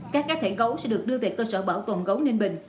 các cá thể gấu sẽ được đưa về cơ sở bảo tồn gấu ninh bình